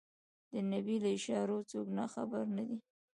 د نبي له اشارې څوک ناخبر نه دي.